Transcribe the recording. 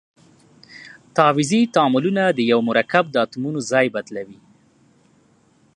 تعویضي تعاملونه د یوه مرکب د اتومونو ځای بدلوي.